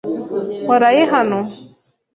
Waraye hano?